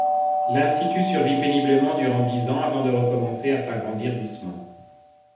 L'institut survit péniblement durant dix ans avant de recommencer à s'agrandir doucement.